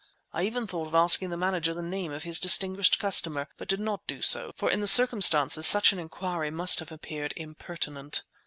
I even thought of asking the manager the name of his distinguished customer, but did not do so, for in the circumstances such an inquiry must have appeared impertinent.